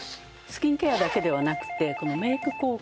スキンケアだけではなくてこのメイク効果でね。